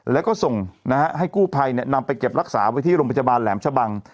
แล้วก็ส่งนะฮะให้กู้ภัยนำไปเก็บรักษาไว้ที่โรงพยาบาลแหลมชะบัง